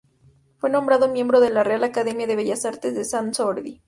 Fue nombrado miembro de la Real Academia de Bellas Artes de Sant Jordi.